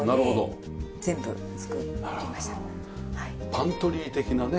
パントリー的なね